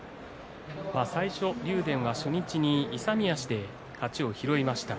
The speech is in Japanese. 最初竜電は初日に勇み足で勝ちを拾いました。